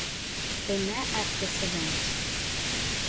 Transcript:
They met at this event.